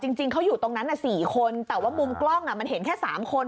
จริงจริงเขาอยู่ตรงนั้นอ่ะสี่คนแต่ว่ามุมกล้องอ่ะมันเห็นแค่สามคน